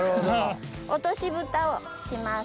落としぶたをします。